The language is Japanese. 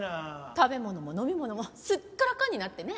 食べ物も飲み物もすっからかんになってねえ。